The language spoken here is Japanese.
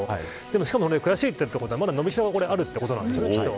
しかも、悔しいということはまだ伸びしろがあるということなんですよね。